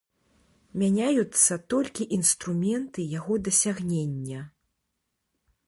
Мяняюцца толькі інструменты яго дасягнення.